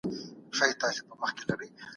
کور زده کړه به دوامداره وي.